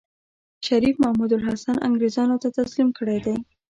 شريف محمودالحسن انګرېزانو ته تسليم کړی دی.